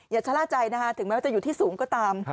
ชะล่าใจนะคะถึงแม้ว่าจะอยู่ที่สูงก็ตาม